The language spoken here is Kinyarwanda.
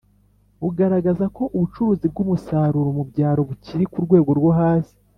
bugaragaza ko ubucuruzi bw'umusaruro mu byaro bukiri ku rwego rwo hasi